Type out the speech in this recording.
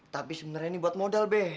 tapi sebenernya ini buat modal be